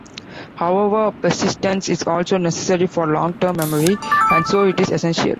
However persistence is also necessary for long-term memory, and so it is essential.